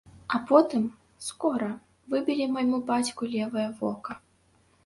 А потым, скора, выбілі майму бацьку левае вока.